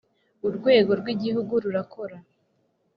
Urwego rw’ Igihugu rurakora